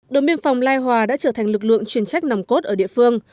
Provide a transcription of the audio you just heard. đồn biên phòng lai hòa đã trở thành lực lượng truyền trách nằm cốt ở địa phương